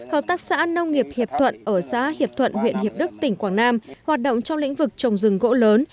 hợp tác xã nông nghiệp hiệp thuận ở xã hiệp thuận huyện hiệp đức tỉnh quảng nam hoạt động trong lĩnh vực trồng rừng gỗ lớn